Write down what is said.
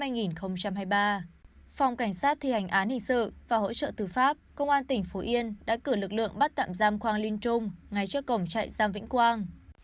phòng cảnh sát thi hành án hình sự và hỗ trợ tử pháp công an tỉnh phú yên đã cử lực lượng bắt tạm giam khoang linh trung ngay trước cổng chạy giam vĩnh quang